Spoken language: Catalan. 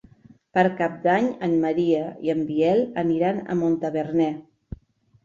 Per Cap d'Any en Maria i en Biel aniran a Montaverner.